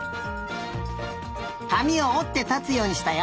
かみをおってたつようにしたよ。